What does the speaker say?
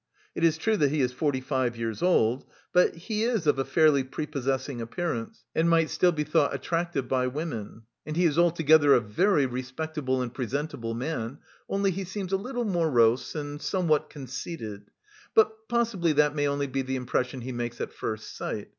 It is true that he is forty five years old, but he is of a fairly prepossessing appearance and might still be thought attractive by women, and he is altogether a very respectable and presentable man, only he seems a little morose and somewhat conceited. But possibly that may only be the impression he makes at first sight.